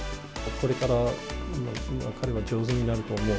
これから彼は上手になると思う。